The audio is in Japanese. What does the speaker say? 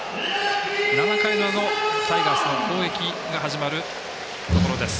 ７回裏のタイガースの攻撃が始まるところです。